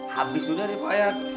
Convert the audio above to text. habis sudah ripayat